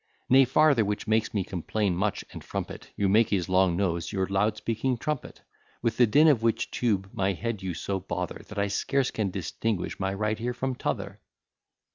Nay, farther, which makes me complain much, and frump it, You make his long nose your loud speaking trumpet; With the din of which tube my head you so bother, That I scarce can distinguish my right ear from t'other.